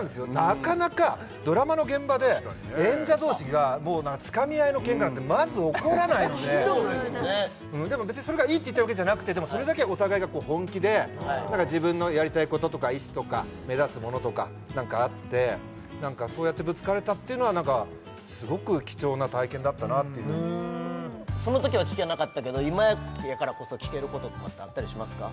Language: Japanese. なかなかドラマの現場で演者同士がもうつかみ合いのケンカなんてまず起こらないので聞いたことないですもんでも別にそれがいいって言ってるわけじゃなくてでもそれだけお互いがこう本気で何か自分のやりたいこととか意志とか目指すものとか何かあって何かそうやってぶつかれたっていうのは何かすごく貴重な体験だったなっていうふうにその時は聞けなかったけど今やからこそ聞けることとかってあったりしますか？